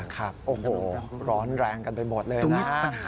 ครับโอ้โหร้อนแรงกันไปหมดเลยนะฮะ